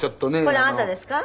これあなたですか？